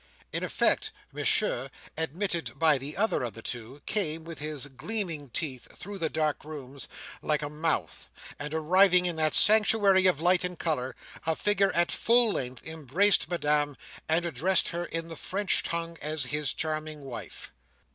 In effect, Monsieur, admitted by the other of the two, came, with his gleaming teeth, through the dark rooms, like a mouth; and arriving in that sanctuary of light and colour, a figure at full length, embraced Madame, and addressed her in the French tongue as his charming wife.